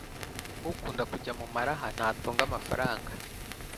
ukunda kujya mumaraha ntatunga amafaranga